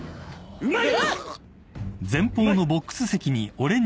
うまい！！